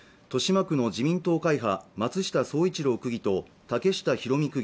豊島区の自民党会派松下創一郎区議と竹下広美